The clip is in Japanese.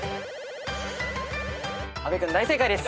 阿部君大正解です。